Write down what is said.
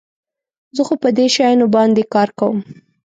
زه خو په دې شیانو باندي کار کوم.